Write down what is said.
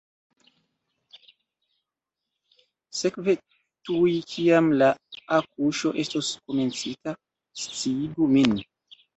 Sekve tuj kiam la akuŝo estos komencita, sciigu min.